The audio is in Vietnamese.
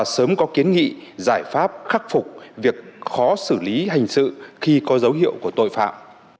sớm có kiến nghị giải pháp khắc phục việc khó xử lý hình sự khi có dấu hiệu của tội phạm